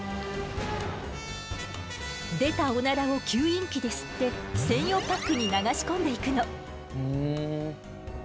出たオナラを吸引器で吸って専用パックに流し込んでいくの。